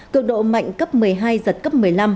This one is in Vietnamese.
cường độ mạnh cấp một mươi hai giật cấp một mươi năm